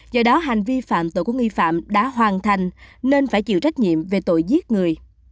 do đó hành vi phạm tội của nghi phạm đã hoàn thành nên phải chịu trách nhiệm về tội giết người